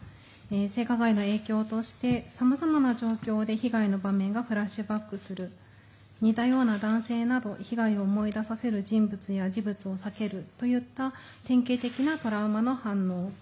性加害の影響を通してさまざまな状況で被害の場面がフラッシュバックする似たような男性など被害を思い出させる人物や事物を避けるという典型的なトラウマの反応。